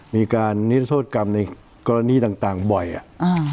มีการลดโทษกรรมในกรณีต่างบ่อยอ่ะ